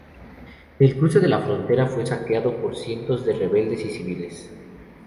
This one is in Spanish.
El cruce de la frontera fue saqueado por cientos de rebeldes y civiles.